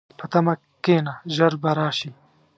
په تمه کښېنه، ژر به راشي.